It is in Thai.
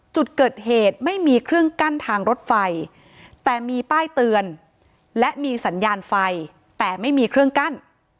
จุดเกิดเหตุไม่มีเครื่องกั้นทางรถไฟแต่มีป้ายเตือนและมีสัญญาณไฟแต่ไม่มีเครื่องกั้น